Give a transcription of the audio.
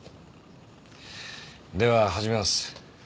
では始めます。